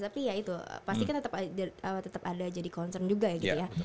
tapi ya itu pasti kan tetap ada jadi concern juga ya gitu ya